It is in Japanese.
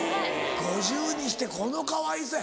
５０にしてこのかわいさや。